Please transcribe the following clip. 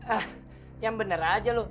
ah yang bener aja loh